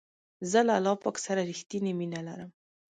زه له الله پاک سره رښتنی مینه لرم.